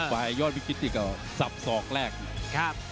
ฝ่ายยอดวิชิตนี้ก็สับสอบแก้แรก